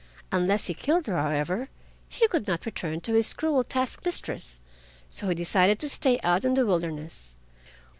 Unless he killed her, however, he could not return to his cruel task mistress, so he decided to stay out in the wilderness.